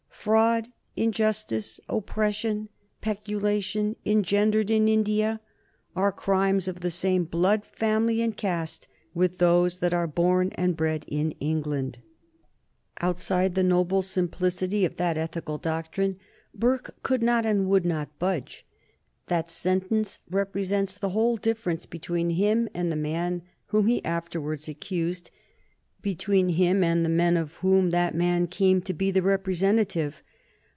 "Fraud, injustice, oppression, peculation, engendered in India, are crimes of the same blood, family, and caste, with those that are born and bred in England." Outside the noble simplicity of that ethical doctrine Burke could not and would not budge. That sentence represents the whole difference between him and the man whom he afterwards accused, between him and the men of whom that man came to be the representative.